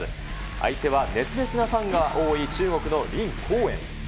相手は熱烈なファンが多い中国の林高遠。